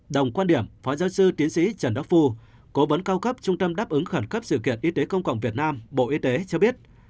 đồng quan điểm phó giáo sư tiến sĩ trần đắc phu cố vấn cao cấp trung tâm đáp ứng khẩn cấp sự kiện y tế công cộng việt nam bộ y tế cho biết